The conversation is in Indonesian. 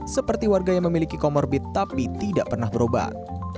seperti warga yang memiliki komorbit tapi tidak pernah berubah